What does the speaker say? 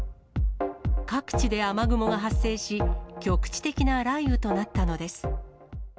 各地で雨雲が発生し、局地的な雷雨となったのです。